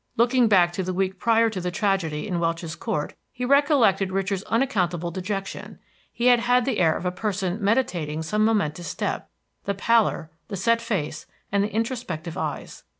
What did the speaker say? Looking back to the week prior to the tragedy in Welch's Court, he recollected Richard's unaccountable dejection; he had had the air of a person meditating some momentous step, the pallor, the set face, and the introspective eyes.